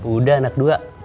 udah anak dua